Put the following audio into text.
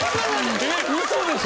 えっウソでしょ！